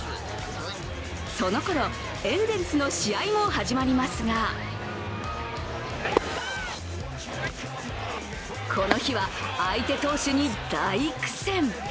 そのころ、エンゼルスの試合も始まりますがこの日は相手投手に大苦戦。